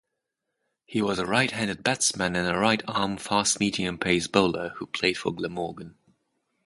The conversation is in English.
He was a right-handed batsman and a right-arm fast-medium-pace bowler, who played for Glamorgan.